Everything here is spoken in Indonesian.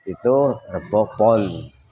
itu rebuk pon